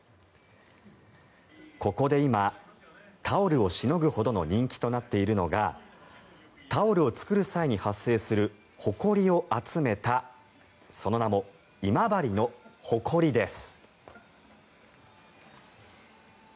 ここで今、タオルをしのぐほどの人気となっているのがタオルを作る際に発生するほこりを集めたその名も今治のホコリです。